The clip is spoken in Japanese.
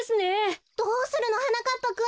どうするの？はなかっぱくん。